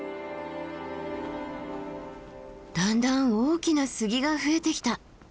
だんだん大きな杉が増えてきた。